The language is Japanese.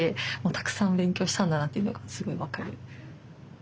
たくさん勉強したんだなっていうのがすぐ分かる。